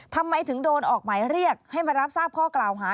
ทำไมถึงโดนออกหมายเรียกให้มารับทราบข้อกล่าวหา